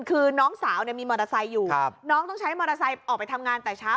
คือน้องสาวเนี่ยมีมอเตอร์ไซค์อยู่น้องต้องใช้มอเตอร์ไซค์ออกไปทำงานแต่เช้า